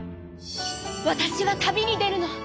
わたしは旅に出るの。